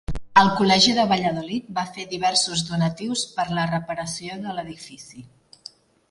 Al Col·legi de Valladolid va fer diversos donatius per la reparació de l'edifici.